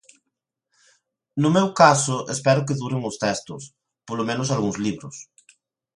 No meu caso espero que duren os textos, polo menos algúns libros.